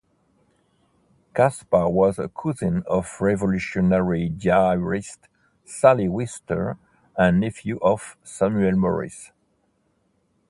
Caspar was a cousin of Revolutionary diarist Sally Wister and nephew of Samuel Morris.